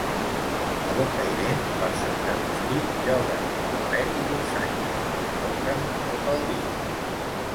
A Bocairent, per sant Agustí lloguen tabalet i dolçaina, que toquen tot el dia.